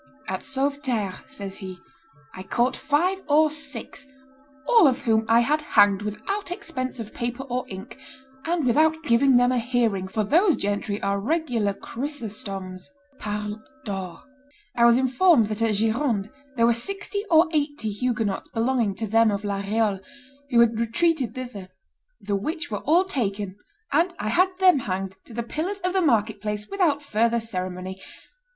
"At Sauveterre," says he, "I caught five or six, all of whom I had hanged without expense of paper or ink, and without giving them a hearing, for those gentry are regular Chrysostoms (parlent d'or)." "I was informed that at Gironde there were sixty or eighty Huguenots belonging to them of La Reole, who had retreated thither; the which were all taken, and I had them hanged to the pillars of the market place without further ceremony.